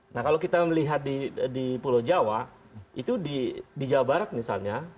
nah kalau kita melihat di pulau jawa itu di jawa barat misalnya